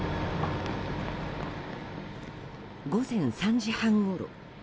午前３時半ごろ。